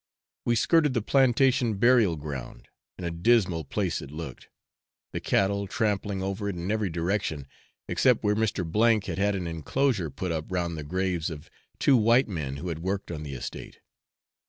We skirted the plantation burial ground, and a dismal place it looked; the cattle trampling over it in every direction except where Mr. K had had an enclosure put up round the graves of two white men who had worked on the estate.